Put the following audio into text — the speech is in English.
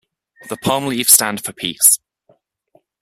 The palm leaves stand for peace.